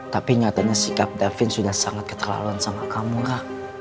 tapi nyatanya sikap davin sudah sangat keterlaluan sama kamu kah